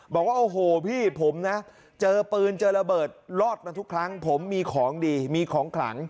บอกว่าโอ้โหพี่ผมนะเจอปืนเจอระเบิดรอดมาทุกครั้งผมมีของดีมีของขลัง